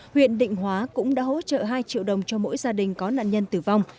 huyện định hóa cũng đã hỗ trợ hai triệu đồng cho mỗi gia đình có nạn nhân tử vong